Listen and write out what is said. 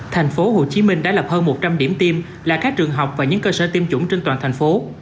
thành phố hồ chí minh đã lập hơn một trăm linh điểm tiêm là các trường học và những cơ sở tiêm chủng trên toàn thành phố